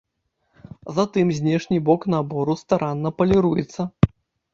Затым знешні бок набору старанна паліруецца.